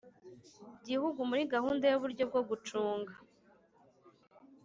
Gihugu muri gahunda y uburyo bwo gucunga